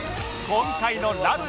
今回の『ラブ！！